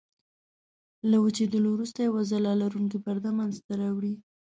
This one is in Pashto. له وچېدلو وروسته یوه ځلا لرونکې پرده منځته راوړي.